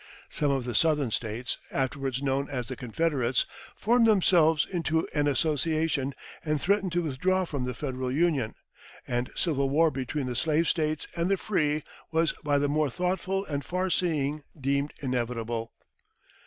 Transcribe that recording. Some of the Southern States, afterwards known as the Confederates, formed themselves into an association, and threatened to withdraw from the Federal Union; and civil war between the slave States and the free was by the more thoughtful and far seeing deemed inevitable.